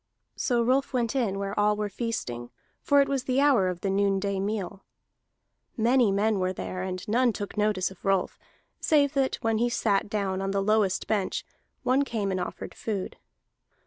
So Rolf went in where all were feasting, for it was the hour of the noonday meal. Many men were there, and none took notice of Rolf, save that when he sat down on the lowest bench one came and offered food.